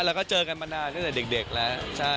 และก็เจอกันกันมานานก็ใดเด็กและ